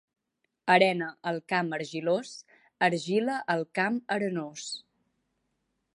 Arena, al camp argilós; argila, al camp arenós.